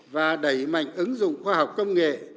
và đẩy mạnh ứng dụng khoa học công nghệ